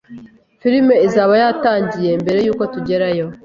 Filime izaba yatangiye mbere yuko tugerayo